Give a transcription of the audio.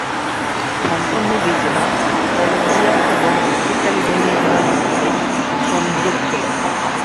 Thompson নদী জেলা Columbia এবং নিউ ক্যালিডোনিয়া জেলার মধ্যে সংযোগ ছিল।